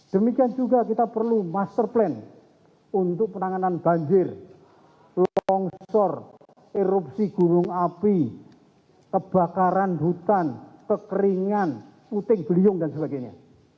demikian juga kita perlu master plan untuk penanganan banjir longsor erupsi gunung api kebakaran hutan kekeringan puting beliung dan sebagainya